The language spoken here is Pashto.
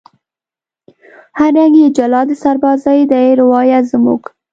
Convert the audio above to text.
هر رنگ یې جلا د سربازۍ دی روایت زموږ